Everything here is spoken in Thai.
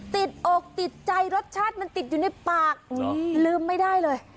ติดอกติดใจรสชาติมันติดอยู่ในปากลืมไม่ได้เลย